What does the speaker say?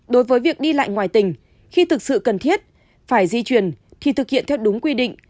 đối với việc đi lại ngoài tỉnh khi thực sự cần thiết phải di chuyển thì thực hiện theo đúng quy định